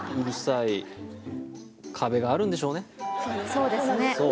そうですね。